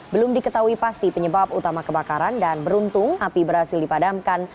belum diketahui pasti penyebab utama kebakaran dan beruntung api berhasil dipadamkan